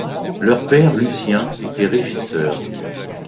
Leur père, Lucien, était régisseur.